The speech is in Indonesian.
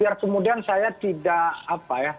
biar kemudian saya tidak apa ya